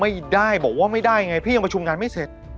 ไม่ได้บอกว่าไม่ได้ไงพี่ยังประชุมงานไม่เสร็จ